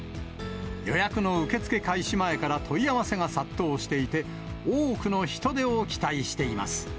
予約の受け付け開始前から問い合わせが殺到していて、多くの人出を期待しています。